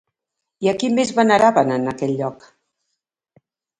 I a qui més veneraven en aquell lloc?